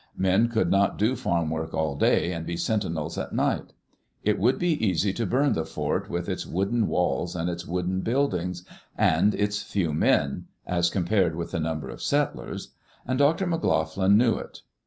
Men could not do farm work all day and be sentinels at night. It would be easy to burn the fort, with its wooden walls and its wooden buildings, and its few men — as compared with the number of settlers — and Dr. McLoughlin knew it.